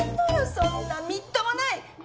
そんなみっともない。